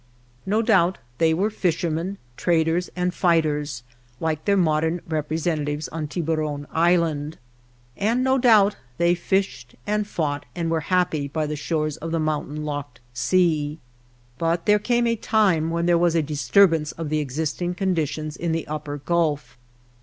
No doubt they were fishermen, traders and fighters, like their modern representatives on Tiburon Island ; and no doubt they fished and fought and were happy by the shores of the mountain locked sea. But there came a time when there was a dis turbance of the existing conditions in the Up per Gulf.